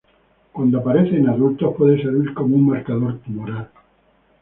Cuando aparece en adultos, puede servir como un marcador tumoral.